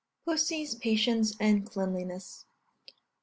PUSSY'S PATIENCE AND CLEANLINESS.